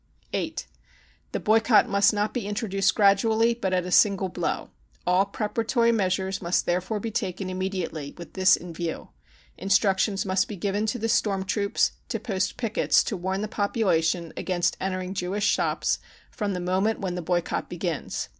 (8) The boycott must not be introduced gradually, but at a "Single blow. All preparatory measures must therefore be taken immediately with this in view. Instructions must be given to the storm troops to post pickets to warn the population against entering Jewish shops from the moment when the boycott begins.